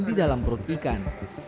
di dalam perut ikan